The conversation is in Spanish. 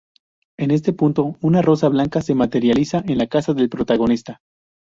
En este punto, una rosa blanca se materializa en la casa del protagonista.